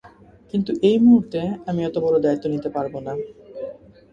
কিন্তু এই মুহুর্তে আমি এত বড় দায়িত্ব নিতে পারবো না।